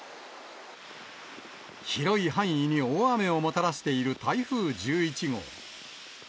広い範囲に大雨をもたらしている台風１１号。